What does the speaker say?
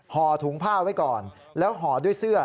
ห่อถุงผ้าไว้ก่อนแล้วห่อด้วยเสื้อ